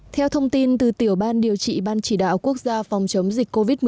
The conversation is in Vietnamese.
theo thông tin từ tiểu ban điều trị ban chỉ đạo quốc gia phòng chống dịch covid một mươi chín